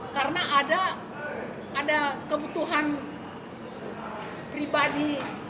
karena ada kebutuhan pribadi